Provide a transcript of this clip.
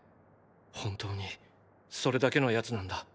本当にそれだけの奴なんだ。